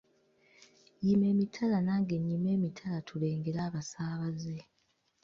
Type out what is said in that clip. Yima emitala nange nnyime emitala tulengere abasaabaze